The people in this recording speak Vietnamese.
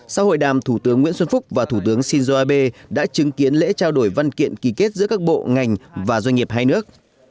sau hội đàm thủ tướng nguyễn xuân phúc và thủ tướng shinzo abe đã chứng kiến lễ trao đổi văn kiện ký kết giữa các bộ ngành và doanh nghiệp hai nước